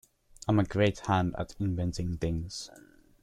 I’m a great hand at inventing things.